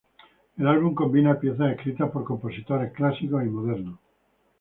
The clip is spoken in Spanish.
El álbum combina piezas escritas por compositores clásicos y modernos.